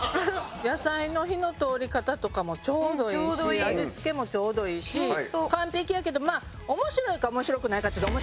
野菜の火の通り方とかもちょうどいいし味付けもちょうどいいし完璧やけどまあ面白いか面白くないかっていうと面白くないよね。